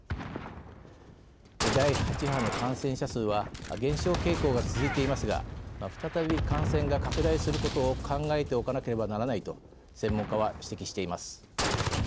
第８波の感染者数は減少傾向が続いていますが再び感染が拡大することを考えておかなければならないと専門家は指摘しています。